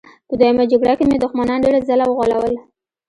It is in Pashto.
په دویمه جګړه کې مې دښمنان ډېر ځله وغولول